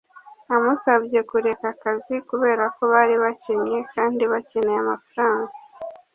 Yamusabye kureka akazi kubera ko bari bakennye kandi bakeneye amafaranga